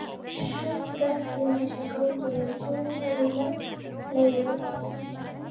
شك فيما شكوت من طول ليلي